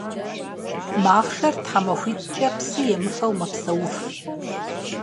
Махъшэр тхьэмахуитIкIэ псы емыфэу мэпсэуф.